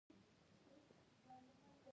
پسه د افغانانو د ژوند طرز ډېر اغېزمنوي.